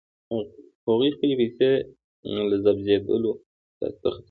هغوی خپلې پیسې له ضبظېدلو څخه ساتي.